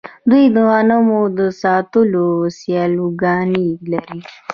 دوی د غنمو د ساتلو سیلوګانې لري.